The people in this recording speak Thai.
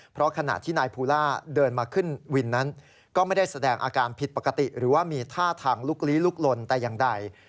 เพราะขณะที่นายภูล่าเดินมาขึ้นวินนั้นก็ไม่ได้แสดงอาการผิดปกติหรือว่ามีท่าทางลุกลี้ลุกลนแต่อย่างใด